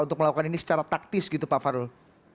untuk melakukan ini secara taktis pak fahrul